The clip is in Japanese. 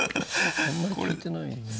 あんまり利いてないね。